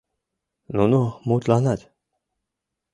Нуно мутланат.